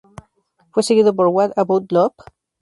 Fue seguido por What About Love?